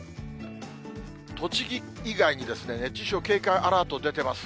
栃木以外に熱中症警戒アラート出てます。